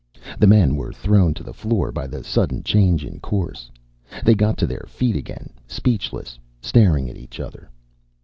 The men were thrown to the floor by the sudden change in course. They got to their feet again, speechless, staring at each other.